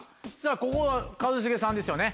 ここは一茂さんですよね。